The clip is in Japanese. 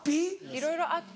いろいろあって。